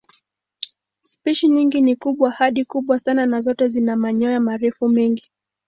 Spishi nyingi ni kubwa hadi kubwa sana na zote zina manyoya marefu mengi.